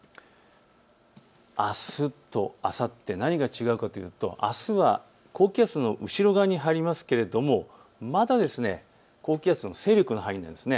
あすとあさって何が違うかというとあすは高気圧の後ろ側に入りますがまだ高気圧の勢力の範囲です。